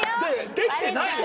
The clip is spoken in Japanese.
できてないよ